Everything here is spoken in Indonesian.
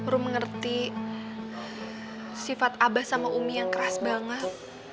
ru mengerti sifat abah sama umi yang keras banget